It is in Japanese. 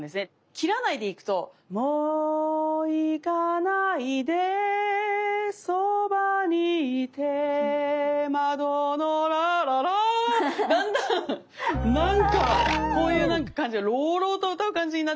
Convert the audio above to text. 切らないでいくともういかないでそばにいてまどのラララだんだん何かこういう何か感じで朗々と歌う感じになってしまいますよね。